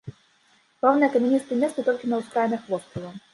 Роўныя камяністыя месцы толькі на ўскраінах вострава.